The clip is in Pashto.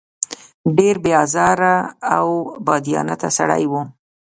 ډېر بې آزاره او بادیانته سړی و.